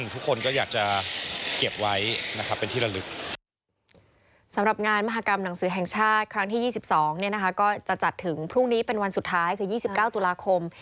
ประวัติศาสตร์แห่งชาติครั้งที่๒๒ก็จะจัดถึงพรุ่งนี้เป็นวันสุดท้ายคือ๒๙ตุลาคม